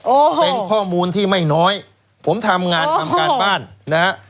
โอ้โหเป็นข้อมูลที่ไม่น้อยผมทำงานทำการบ้านนะฮะ